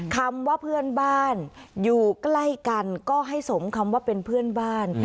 คำว่าเพื่อนบ้านอยู่ใกล้กันก็ให้สมคำว่าเป็นเพื่อนบ้าน